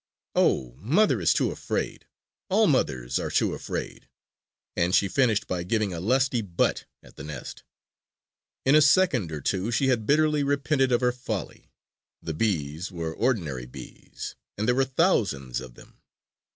"Oh, mother is too afraid! All mothers are too afraid!" And she finished by giving a lusty butt at the nest. In a second or two she had bitterly repented of her folly. The "bees" were ordinary bees and there were thousands of them.